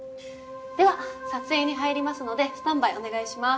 では撮影に入りますのでスタンバイお願いします。